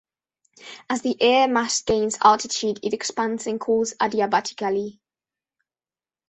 As the air mass gains altitude it expands and cools adiabatically.